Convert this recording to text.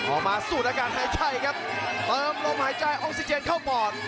ออกมาสูดอากาศหายใจครับเติมลมหายใจออกซิเจนเข้าปอด